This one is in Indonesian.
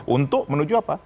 untuk menuju apa